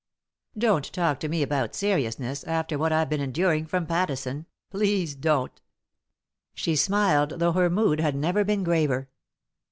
" Don't talk to me about seriousness, after what I've been enduring from Pattison — please don't 1 " She smiled, though her mood had never been graver.